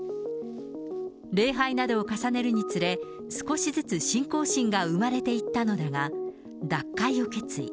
礼拝などを重ねるにつれ、少しずつ信仰心が生まれていったのだが、脱会を決意。